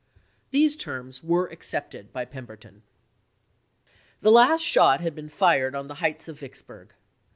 These terms were FpT.\^" accepted by Pemberton. The last shot had been fired on the heights of Vicksburg.